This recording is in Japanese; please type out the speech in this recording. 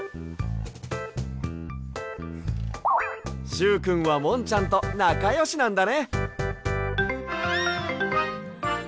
しゅうくんはもんちゃんとなかよしなんだね。